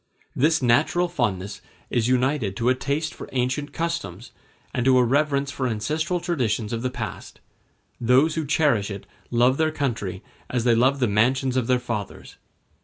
This natural fondness is united to a taste for ancient customs, and to a reverence for ancestral traditions of the past; those who cherish it love their country as they love the mansions of their fathers.